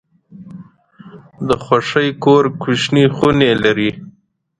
د خوښۍ کور کوچني خونې لري.